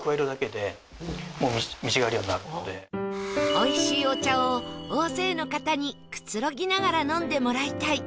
美味しいお茶を大勢の方にくつろぎながら飲んでもらいたい